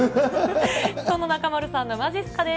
そんな中丸さんのまじっすかです。